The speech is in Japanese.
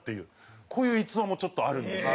こういう逸話もちょっとあるんですよね。